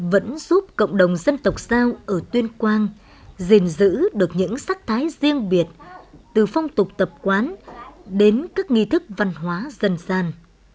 vẫn giúp cộng đồng dân tộc giao ở tuyên quang gìn giữ được những sắc thái riêng biệt từ phong tục tập quán đến các nghi thức văn hóa dân gian